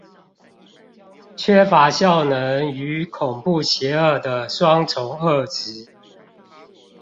缺乏效能與恐怖邪惡的雙重惡質